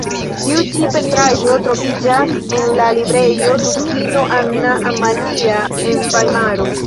Tiu ĉi pentraĵo troviĝas en la Librejo Dukino Anna Amalia en Vajmaro.